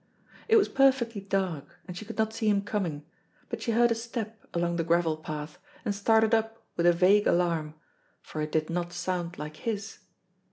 It was perfectly dark, and she could not see him coming, but she heard a step along the gravel path, and started up with a vague alarm, for it did not sound like his.